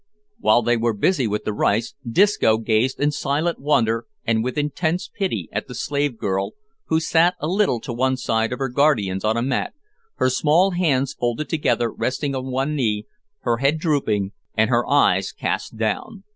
While they were busy with the rice, Disco gazed in silent wonder, and with intense pity, at the slave girl, who sat a little to one side of her guardians on a mat, her small hands folded together resting on one knee, her head drooping, and her eyes cast down.